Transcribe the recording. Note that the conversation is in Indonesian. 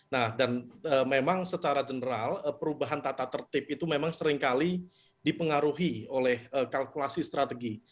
nah dan memang secara general perubahan tata tertib itu memang seringkali dipengaruhi oleh kalkulasi strategi